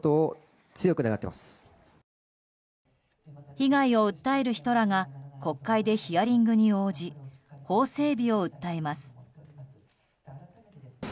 被害を訴える人らが国会でヒアリングに応じ法整備を訴えます。